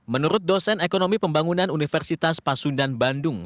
menurut dosen ekonomi pembangunan universitas pasundan bandung